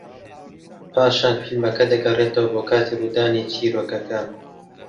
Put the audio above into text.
پاشان فیلمەکە دەگەڕێتەوە بۆ کاتی ڕوودانی چیرۆکەکە